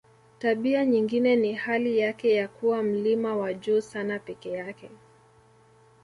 Tabia nyingine ni hali yake ya kuwa mlima wa juu sana peke yake